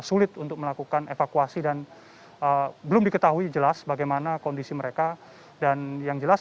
sulit untuk melakukan evakuasi dan belum diketahui jelas bagaimana kondisi mereka dan yang jelas